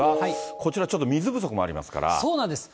こちら、ちょっと水不足もありまそうなんです。